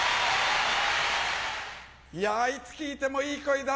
いやいつ聞いてもいい声だ